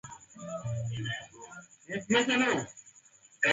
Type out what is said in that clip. sauti za kisasa ni njia nzuri ya kuandaa mahojiano